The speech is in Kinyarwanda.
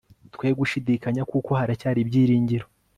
twe gushidikanya kuko haracyari ibyiringiro